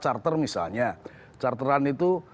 charter misalnya charteran itu